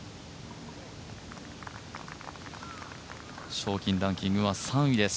賞金ランキングは３位です。